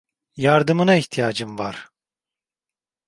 Yardımına ihtiyacım var.